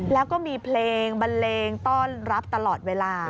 แล้วก็มีเพลงบันเลงต้อนรับตลอดเวลา